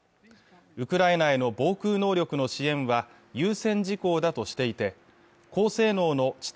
ウクライナへの防空能力の支援は優先事項だとしていて高性能の地